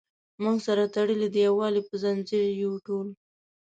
موږ سره تړلي د یووالي په زنځیر یو ټول.